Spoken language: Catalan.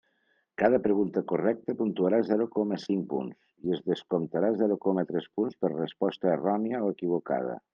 Cada pregunta correcta puntuarà zero coma cinc punts i es descomptarà zero coma tres punts per resposta errònia o equivocada.